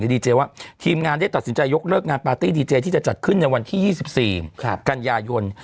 ดีเจว่าทีมงานได้ตัดสินใจยกเลิกงานปาร์ตี้ดีเจที่จะจัดขึ้นในวันที่๒๔กันยายน